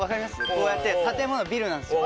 こうやって建物ビルなんですよ。